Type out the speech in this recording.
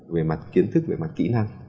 về mặt kiến thức về mặt kỹ năng